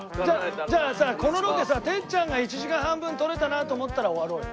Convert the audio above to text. じゃあさこのロケさてっちゃんが１時間半分撮れたなと思ったら終わろうよ。